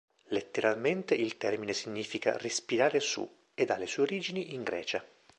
Letteralmente il termine significa "respirare su" ed ha le sue origini in Grecia.